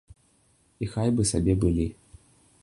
І хай бы сабе былі.